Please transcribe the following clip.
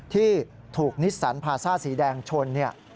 ที่ถูกนิสสันพาซ่าสีแดงชน